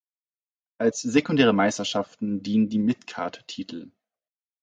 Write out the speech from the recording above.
Als sekundäre Meisterschaften dienen die Midcard-Titel.